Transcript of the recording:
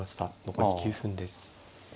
残り９分です。